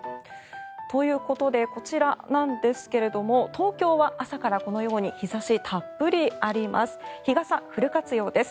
ということで、こちらなんですが東京は朝からこのように日差したっぷりあります。